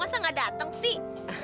masa nggak dateng sih